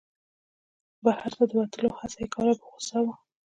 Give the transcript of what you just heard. بهر ته د وتلو هڅه یې کوله په غوسه و.